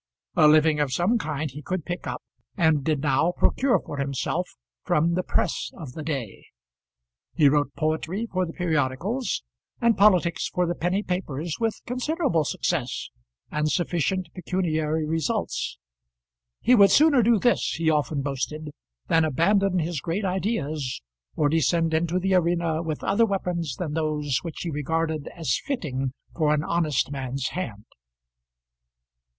A living of some kind he could pick up, and did now procure for himself, from the press of the day. He wrote poetry for the periodicals, and politics for the penny papers with considerable success and sufficient pecuniary results. He would sooner do this, he often boasted, than abandon his great ideas or descend into the arena with other weapons than those which he regarded as fitting for an honest man's hand.